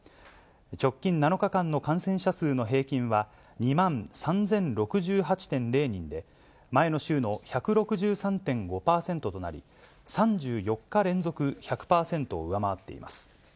直近７日間の感染者数の平均は、２万３０６８．０人で、前の週の１６３．５％となり、３４日連続、１００％を上回っています。